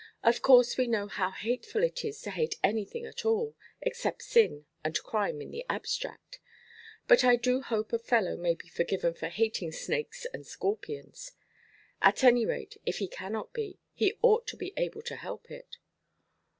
Of course we know how hateful it is to hate anything at all, except sin and crime in the abstract; but I do hope a fellow may be forgiven for hating snakes and scorpions. At any rate, if he cannot be, he ought to be able to help it.